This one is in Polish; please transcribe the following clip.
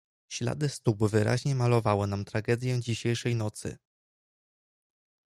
"Ślady stóp wyraźnie malowały nam tragedię dzisiejszej nocy."